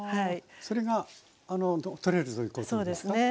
それが取れるということですか？